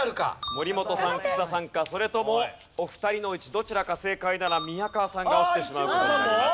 森本さん木佐さんかそれともお二人のうちどちらか正解なら宮川さんが落ちてしまう事になります。